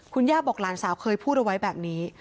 คุณย่าบอกหลานสาวเคยพูดเอาไว้แบบนี้